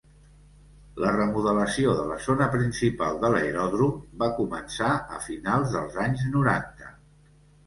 La remodelació de la zona principal de l'aeròdrom va començar a finals dels anys noranta.